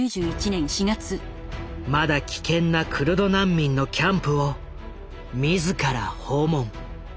まだ危険なクルド難民のキャンプを自ら訪問。